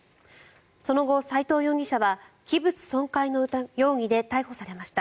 その後、斎藤容疑者は器物損壊の容疑で逮捕されました。